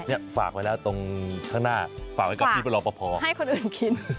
เนี่ยฝากไว้แล้วตรงข้างหน้าฝากไว้กับพี่ประรอปภให้คนอื่นกิน